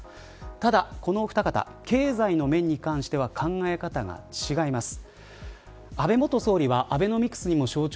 ただこのお二方経済の面に関しては考え方が違います。